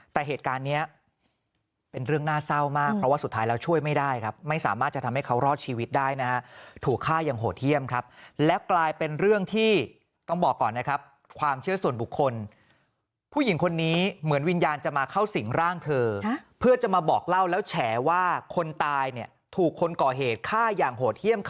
แต่เหตุการณ์เนี้ยเป็นเรื่องน่าเศร้ามากเพราะว่าสุดท้ายแล้วช่วยไม่ได้ครับไม่สามารถจะทำให้เขารอดชีวิตได้นะฮะถูกฆ่าอย่างโหดเยี่ยมครับแล้วกลายเป็นเรื่องที่ต้องบอกก่อนนะครับความเชื่อส่วนบุคคลผู้หญิงคนนี้เหมือนวิญญาณจะมาเข้าสิ่งร่างเธอเพื่อจะมาบอกเล่าแล้วแฉว่าคนตายเนี่ยถูกคนก่อเหตุฆ่าอย่างโหดเยี่ยม